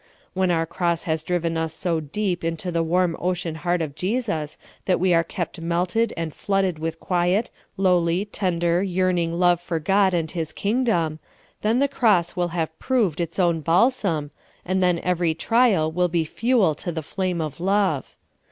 When our cross has driven us so deep into the warm ocean heart of Jesus that we are kept melted and flooded with quiet, lowly, tender, yearning love for God and His king dom, then the cross will have proved its own balsam, and then every trial will be fuel to the flame of love.